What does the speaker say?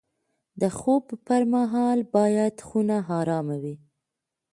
د خوب پر مهال باید خونه ارامه وي.